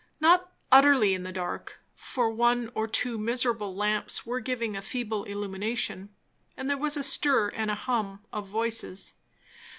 Not utterly in the dark, for one or two miserable lamps were giving a feeble illumination; and there was a stir and a hum of voices.